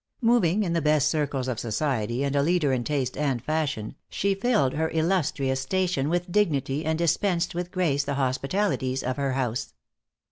Moving in the best circles of society, and a leader in taste and fashion, she filled her illustrious station with dignity, and dispensed with grace the hospitalities of her house.